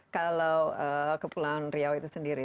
kalau kepulauan riau itu sendiri